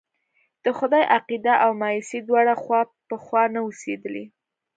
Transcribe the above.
د خدای عقيده او مايوسي دواړه خوا په خوا نه اوسېدلی.